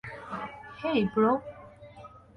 হেই, bro.